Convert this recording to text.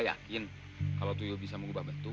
yakin kalau tuyu bisa mengubah bentuk